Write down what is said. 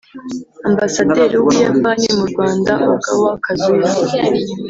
Ambasaderi w’u Buyapani mu Rwanda Ogawa Kazuya